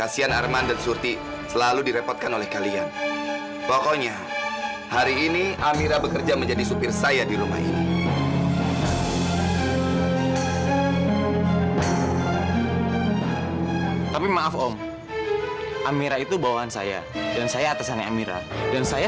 sampai jumpa di video selanjutnya